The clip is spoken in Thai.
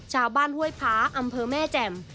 ชาวบ้านห้วยพ้าอำเภอแม่แจ่ม